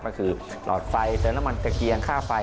ก็คือหลอดไฟเตินละมันเกลียงค่าไฟ